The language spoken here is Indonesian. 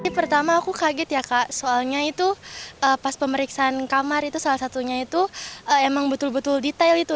pertama aku kaget ya kak soalnya itu pas pemeriksaan kamar itu salah satunya itu emang betul betul detail itu